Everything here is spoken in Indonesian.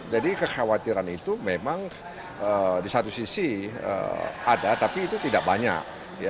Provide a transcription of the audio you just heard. jadi kekhawatiran itu memang di satu sisi ada tapi itu tidak banyak